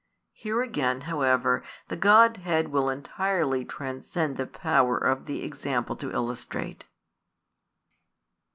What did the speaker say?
Here again, however, the Godhead will entirely transcend the power of the example to illustrate.